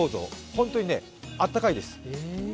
本当にあったかいです。